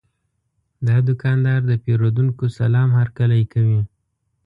دا دوکاندار د پیرودونکو سلام هرکلی کوي.